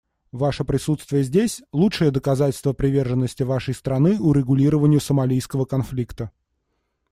Ваше присутствие здесь — лучшее доказательство приверженности Вашей страны урегулированию сомалийского конфликта.